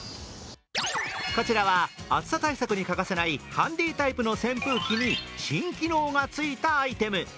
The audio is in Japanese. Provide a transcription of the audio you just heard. こちらは暑さ対策に欠かせないハンディタイプの扇風機に新機能がついたアイテム。